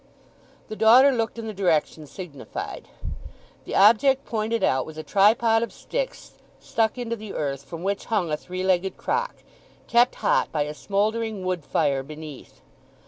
The daughter looked in the direction signified. The object pointed out was a tripod of sticks stuck into the earth, from which hung a three legged crock, kept hot by a smouldering wood fire beneath.